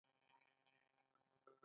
وریجې د افغانستان دویمه مهمه غله ده.